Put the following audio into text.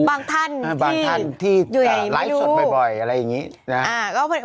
บางท่านที่อยู่ไหนไม่รู้บางท่านที่ไลฟ์สดบ่อยอะไรอย่างนี้